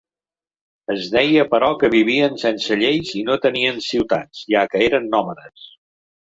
Es deia però que vivien sense lleis i no tenien ciutats, ja que eren nòmades.